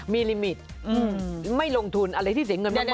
มีลิมิตไม่ลงทุนอะไรที่เสียเงินแน่